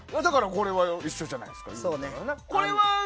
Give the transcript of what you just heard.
これは一緒じゃないですか。